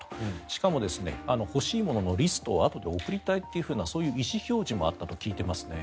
しかも、欲しいもののリストをあとで送りたいというようなそういう意思表示もあったと聞いていますね。